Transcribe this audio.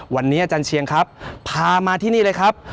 วันนี้อาจารย์เชียงครับพามาที่นี่เลยครับ